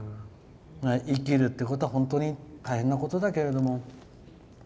生きるってことは本当に大変なことだけれども。